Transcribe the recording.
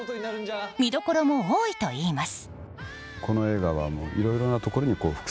見どころも多いといいます。